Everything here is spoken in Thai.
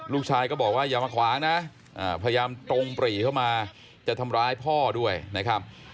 ลูกชายก็บอกว่าอย่ามาขวางนะพยายามตรงปรีเข้ามาจะทำร้ายพ่อด้วยนะครับ